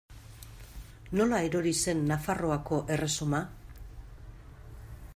Nola erori zen Nafarroako erresuma?